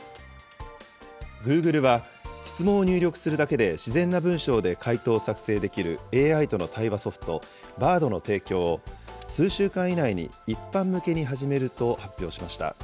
グーグルは、質問を入力するだけで自然な文章で回答を作成できるＡＩとの対話ソフト、Ｂａｒｄの提供を、数週間以内に一般向けに始めると発表しました。